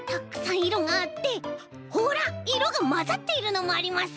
いろがまざっているのもあります。